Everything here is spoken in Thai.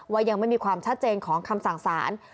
ยังไม่มีความชัดเจนของคำสั่งสาร